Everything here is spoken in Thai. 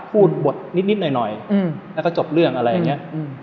พูดบทนิดหน่อยแล้วก็จบเรื่องอะไรอย่างนี้